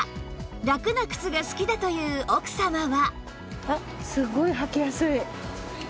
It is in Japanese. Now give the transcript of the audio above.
ラクな靴が好きだという奥様は